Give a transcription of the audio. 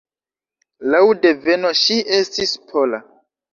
Laŭ deveno ŝi estis pola.